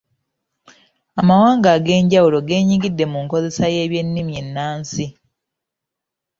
Amawanga ag'enjawulo genyigidde mu nkozesa y'ebyennimi ennansi.